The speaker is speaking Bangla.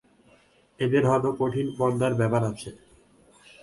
এদের হয়তো কঠিন পর্দার ব্যাপার আছে।